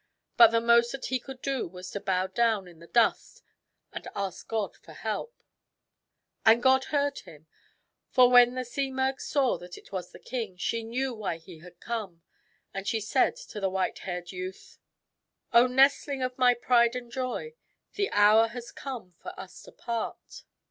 But the most that he could do was to bow down in the dust and ask God for help. And God heard him. For when the Simurgh saw that it was the king, she knew why he had come ; and she said to the white haired youth :—" O nestling of my pride and love, the hour has come for us to part.